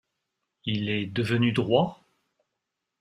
Il est devenu droit?